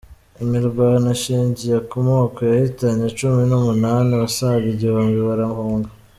Imirwano ishingiye ku moko yahitanye cumi numunani, abasaga igihumbi barahunga